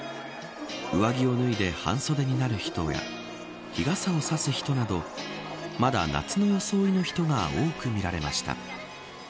上着を脱いで半袖になる人や日傘を差す人などまだ夏の装いの人が多く見られました。